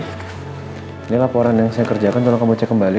ini laporan yang saya kerjakan tolong kamu cek kembali